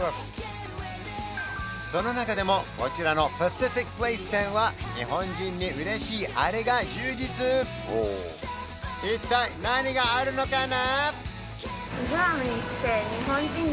その中でもこちらのパシフィックプレイス店は日本人に嬉しいあれが充実一体何があるのかな？